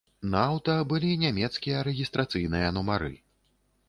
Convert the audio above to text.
На аўта былі нямецкія рэгістрацыйныя нумары.